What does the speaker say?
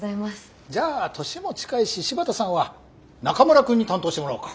じゃあ年も近いし柴田さんは中村くんに担当してもらおうか。